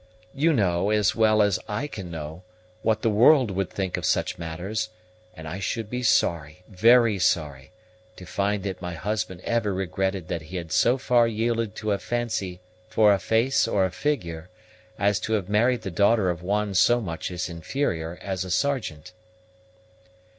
You know, as well as I can know, what the world would think of such matters; and I should be sorry, very sorry, to find that my husband ever regretted that he had so far yielded to a fancy for a face or a figure as to have married the daughter of one so much his inferior as a sergeant."